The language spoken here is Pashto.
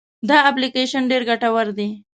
دا اپلیکیشن ډېر ګټور دی.